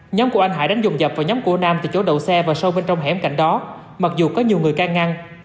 nhóm của anh hải đánh dồn dập vào nhóm của nam từ chỗ đầu xe và sâu bên trong hẻm cạnh đó mặc dù có nhiều người ca ngăn